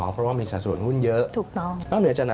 เพราะว่ามีสะสวนหุ้นเยอะ